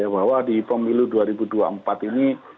bahwa di pemilu dua ribu dua puluh empat ini